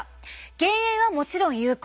減塩はもちろん有効！